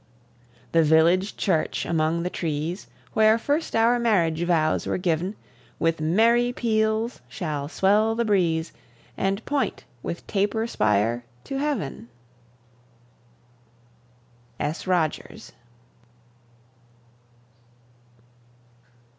The village church among the trees, Where first our marriage vows were given, With merry peals shall swell the breeze And point with taper spire to Heaven. S. ROGERS.